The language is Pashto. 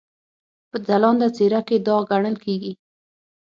په ځلانده څېره کې داغ ګڼل کېږي.